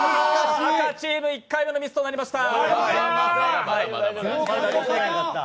赤チーム１回目のミスとなりました。